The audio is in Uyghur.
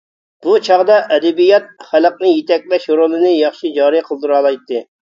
بۇ چاغدا ئەدەبىيات ‹ ‹خەلقنى يېتەكلەش› › رولىنى ياخشى جارى قىلدۇرالايتتى.